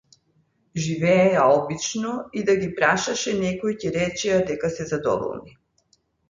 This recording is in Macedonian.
Живееја обично, и да ги прашање некој, ќе речеа дека се задоволни.